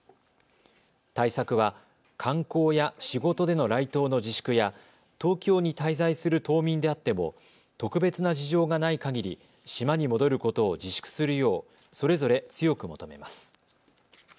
対策は観光や仕事での来島の自粛や東京に滞在する島民であっても特別な事情がないかぎり島に戻ることを自粛するようそれぞれ強く求めます。